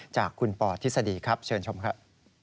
จากคุณปอทฤษฎีครับเชิญชมครับ